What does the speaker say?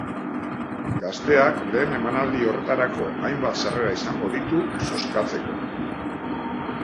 Gazteak lehen emanaldi horretarako hainbat sarrera izango ditu zozkatzeko.